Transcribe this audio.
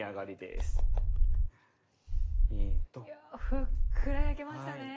ふっくら焼けましたね！